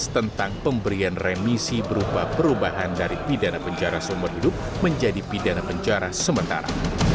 tentang pemberian remisi berupa perubahan dari pidana penjara seumur hidup menjadi pidana penjara sementara